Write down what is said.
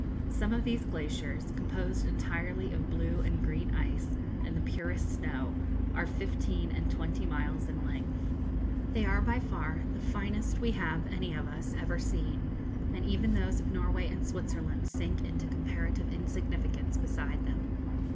Some of these glaciers, composed entirely of blue and green ice and the purest snow, are fifteen and twenty miles in length. They are by far the finest we have, any of us, ever seen; and even those of Norway and Switzerland sink into comparative insignificance beside them.